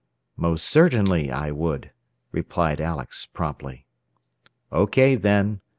"Most certainly I would," replied Alex, promptly. "OK then.